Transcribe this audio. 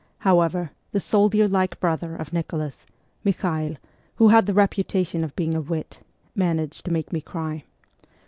However, the soldier like brother of Nicholas, Mikhael, who had the reputation of being a wit, managed to make me cry.